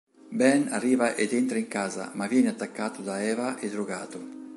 Ben arriva ed entra in casa, ma viene attaccato da Eva e drogato.